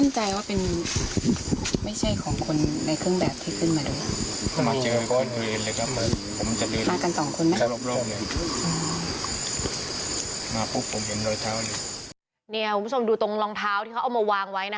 คุณผู้ชมดูตรงรองเท้าที่เขาเอามาวางไว้นะ